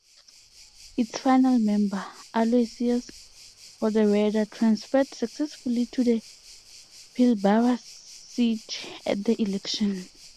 Its final member, Aloysius Rodoreda, transferred successfully to the Pilbara seat at the election.